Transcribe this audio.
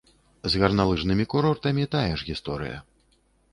З гарналыжнымі курортамі тая ж гісторыя.